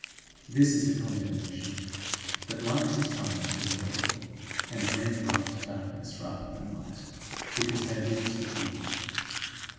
'This is the condemnation, that light is come into the world, and men loved darkness rather than light, because their deeds were evil.'